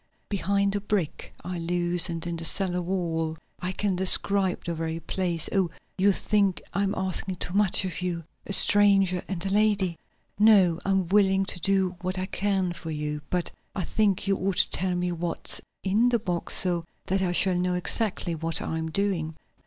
"Behind a brick I loosened in the cellar wall. I can describe the very place. Oh, you think I am asking too much of you a stranger and a lady." "No, I'm willing to do what I can for you. But I think you ought to tell me what's in the box, so that I shall know exactly what I am doing."